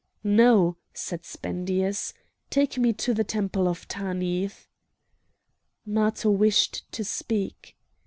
"No," said Spendius, "take me to the temple of Tanith." Matho wished to speak.